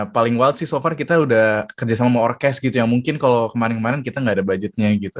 paling what sih so far kita udah kerjasama sama orkes gitu yang mungkin kalau kemarin kemarin kita nggak ada budgetnya gitu